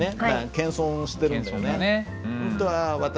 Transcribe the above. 謙遜してるんだよね。